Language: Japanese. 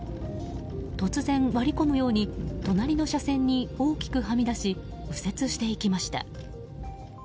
突然、割り込むように隣の車線に大きくはみ出し右折していきました。